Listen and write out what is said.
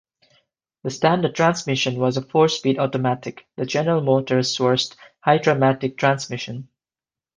The standard transmission was a four-speed automatic, the General Motors sourced Hydramatic transmission.